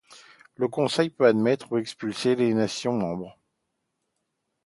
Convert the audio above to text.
Le conseil peut admettre ou expulser des nations membres.